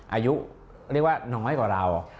อายุเรียกว่าน้อยกว่าเรา